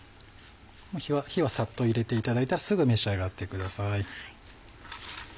火はサッと入れていただいたらすぐ召し上がってください。